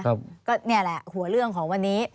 ก็นี่แหละหัวเรื่องของวันนี้